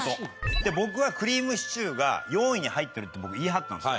で僕はくりぃむしちゅーが４位に入ってるって言い張ったんです。